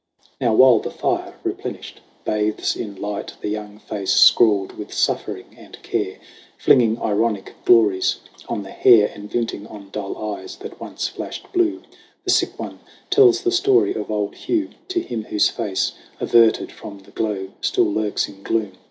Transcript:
Now while the fire, replenished, bathes in light The young face scrawled with suffering and care, Flinging ironic glories on the hair And glinting on dull eyes that once flashed blue, The sick one tells the story of old Hugh To him whose face, averted from the glow, Still lurks in gloom.